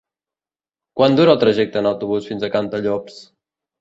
Quant dura el trajecte en autobús fins a Cantallops?